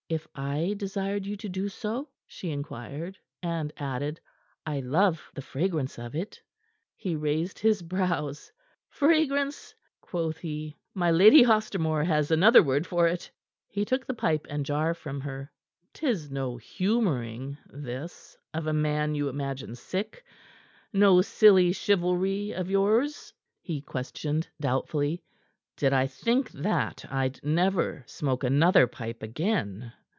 "If I desired you so to do?" she inquired, and added: "I love the fragrance of it." He raised his brows. "Fragrance?" quoth he. "My Lady Ostermore has another word for it." He took the pipe and jar from her. "'Tis no humoring, this, of a man you imagine sick no silly chivalry of yours?" he questioned doubtfully. "Did I think that, I'd never smoke another pipe again."